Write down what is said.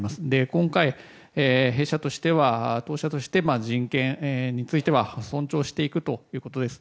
今回、当社として人権については尊重していくということです。